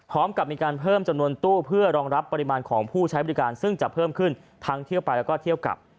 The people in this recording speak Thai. พร้อมกับมีการเพิ่มจำนวนตู้เพื่อรองรับปริมาณของผู้ใช้บริการซึ่งจะเพิ่มขึ้นทั้งเที่ยวไปแล้วก็เที่ยวกลับ